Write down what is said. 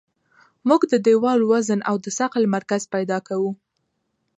موږ د دیوال وزن او د ثقل مرکز پیدا کوو